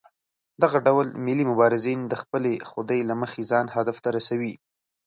دغه ډول ملي مبارزین د خپلې خودۍ له مخې ځان هدف ته رسوي.